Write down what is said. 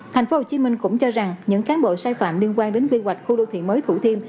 tp hcm cũng cho rằng những cán bộ sai phạm liên quan đến quy hoạch khu đô thị mới thủ thiêm